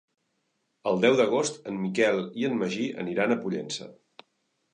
El deu d'agost en Miquel i en Magí aniran a Pollença.